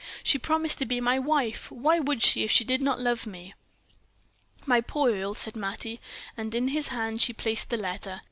She promised to be my wife; why should she if she did not love me?" "My poor Earle," said Mattie; and in his hand she placed the letter.